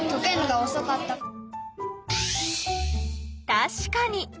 たしかに！